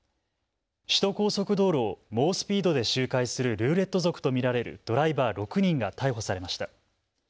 首都高速道路を猛スピードで周回するルーレット族と見られるドライバー６人が逮捕されました。